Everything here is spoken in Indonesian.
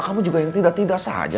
kamu juga yang tidak tidak sah saja